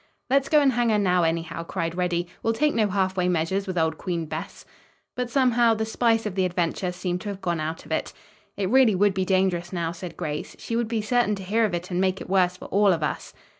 "Let's go and hang her now, anyhow," cried Reddy. "We'll take no half way measures with old Queen Bess." But somehow the spice of the adventure seemed to have gone out of it. "It really would be dangerous now," said Grace. "She would be certain to hear of it and make it worse for all of us."